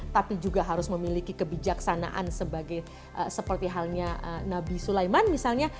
tapi juga harus memiliki kebijaksanaan seperti halnya nabi sulaiman misalnya